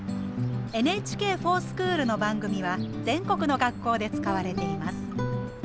「ＮＨＫｆｏｒＳｃｈｏｏｌ」の番組は全国の学校で使われています。